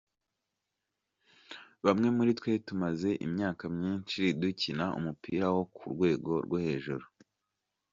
"Bamwe muri twe tumaze imyaka myinshi dukina umupira wo ku rwego rwo hejuru.